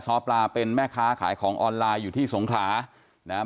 ซ้อปลาเป็นแม่ค้าขายของออนไลน์อยู่ที่สงขลานะครับ